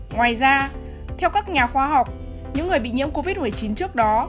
ngoài ra theo các nhà khoa học những người bị nhiễm covid một mươi chín trước đó